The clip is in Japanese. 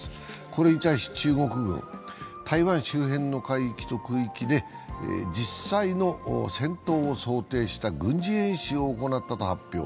これに対し中国軍、台湾周辺の海域と空域で実際の戦闘を想定した軍事演習を行ったと発表。